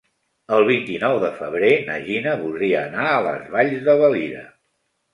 El vint-i-nou de febrer na Gina voldria anar a les Valls de Valira.